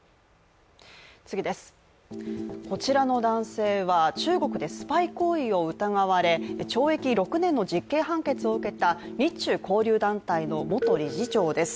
こちらの男性は中国でスパイ行為を疑われ、懲役６年の実刑判決を受けた日中交流団体の元理事長です。